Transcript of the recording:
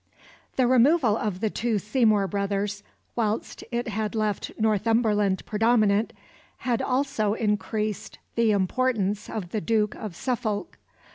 The removal of the two Seymour brothers, whilst it had left Northumberland predominant, had also increased the importance of the Duke of Suffolk.